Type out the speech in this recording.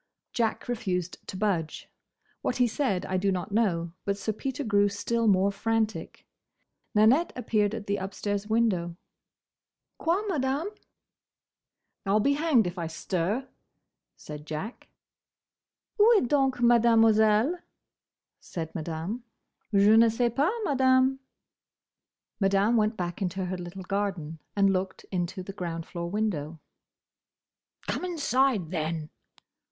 Jack refused to budge. What he said I do not know; but Sir Peter grew still more frantic. Nanette appeared at the upstairs window. "Quoi, Madame?" "I 'll be hanged if I stir!" said Jack. "Où est donc Mademoiselle?" said Madame. "Je ne sais pas, Madame." Madame went back into her little garden, and looked into the ground floor window. "Come inside, then!"